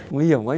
nguy hiểm quá nhỉ